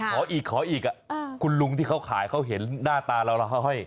ขออีกคุณลุงที่เขาขายเขาเห็นหน้าตาเรา